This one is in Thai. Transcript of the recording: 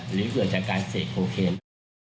หรือเกิดจากการเสพโคเคน